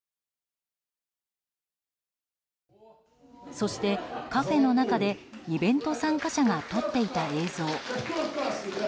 そしてカフェの中でイベント参加者が撮っていた映像。